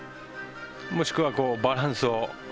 もしくはバランスを。